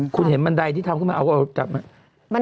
คุณเห็นบันไดที่ทำขึ้นมาเอาเอากลับมา